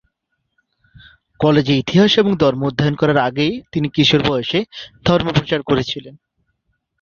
কলেজে ইতিহাস এবং ধর্ম অধ্যয়ন করার আগে তিনি কিশোর বয়সে ধর্ম প্রচার করেছিলেন।